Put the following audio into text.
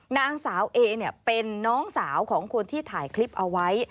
นางสาวเอเป็นน้องสาวของคนที่ถ่ายคลิปเอาไว้